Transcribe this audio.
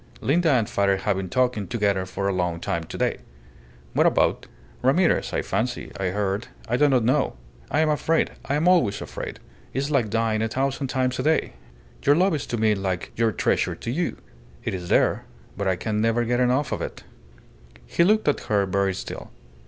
Linda and father have been talking together for a long time today." "What about?" "Ramirez, I fancy I heard. I do not know. I am afraid. I am always afraid. It is like dying a thousand times a day. Your love is to me like your treasure to you. It is there, but I can never get enough of it." He looked at her very still.